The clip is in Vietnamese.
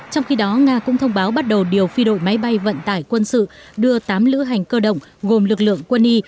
trong khi đó nga cũng thông báo bắt đầu điều phi đội máy bay vận tải quân sự đưa tám lữ hành cơ động gồm lực lượng quân y